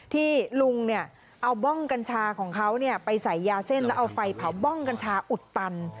ที่ลุงเอาบ้องกัญชาของเขาไปใส่ยาเส้นแล้วเอาไฟเผาบ้องกัญชาอุดตัน